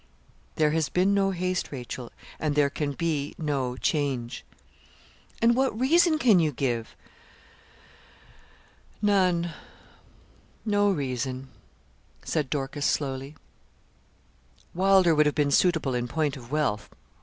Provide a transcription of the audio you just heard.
'There has been no haste, Rachel, and there can be no change.' 'And what reason can you give?' 'None; no reason,' said Dorcas, slowly. 'Wylder would have been suitable in point of wealth.